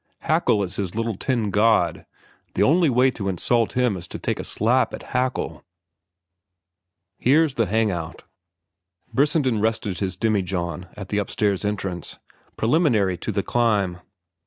Haeckel is his little tin god. The only way to insult him is to take a slap at Haeckel." "Here's the hang out." Brissenden rested his demijohn at the upstairs entrance, preliminary to the climb.